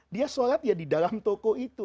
dia sholat ya di dalam toko itu